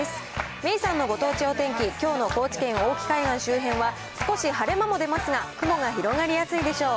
めいさんのご当地お天気、きょうの高知県大岐海岸周辺は少し晴れ間も出ますが、雲が広がりやすいでしょう。